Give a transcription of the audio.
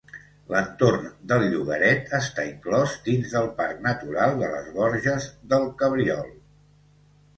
L'entorn del llogaret està inclòs dins del Parc Natural de les Gorges del Cabriol.